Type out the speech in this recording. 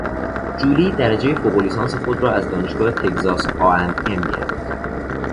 جولی درجهی فوقلیسانسخود را از دانشگاه تگزاس ا. اند. ام گرفت.